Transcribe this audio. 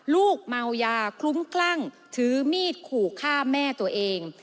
ลูกเมายาคลุ้มคลั่งถือมีดขู่ฆ่าแม่ตัวเอง